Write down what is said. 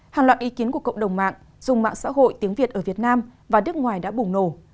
hàng loạt ý kiến của cộng đồng mạng dùng mạng xã hội tiếng việt ở việt nam và nước ngoài đã bùng nổ